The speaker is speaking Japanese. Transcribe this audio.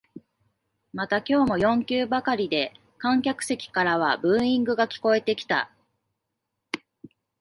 また今日も四球ばかりで観客席からはブーイングが聞こえてきた